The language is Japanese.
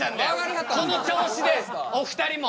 この調子でお二人も。